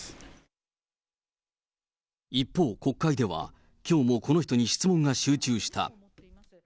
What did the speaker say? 一方、国会では、きょうもこの人に質問が集中した。